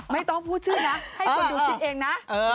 ไม่ต้องพูดชื่อนะให้คนดูคิดเองนะ